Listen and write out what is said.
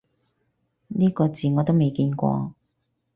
呢個字我都未見過